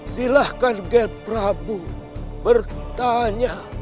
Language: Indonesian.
silahkan ger prabu bertanya